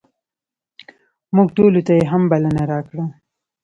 موږ ټولو ته یې هم بلنه راکړه.